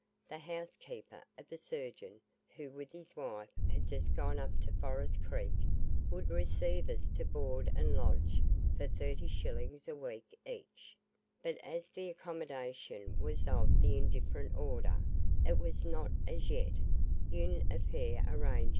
The house keeper of a surgeon, who with his wife had just gone up to Forest Creek, would receive us to board and lodge for thirty shillings a week each; but as the accommodation was of the indifferent order, it was not as yet UNE AFFAIRE ARRANGEE.